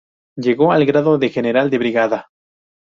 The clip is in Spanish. Llegó al grado de general de brigada.